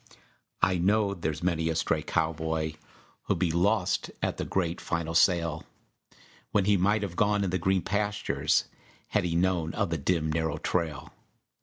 I know there's many a stray cowboy Who'll be lost at the great, final sale, When he might have gone in the green pastures Had he known of the dim, narrow trail.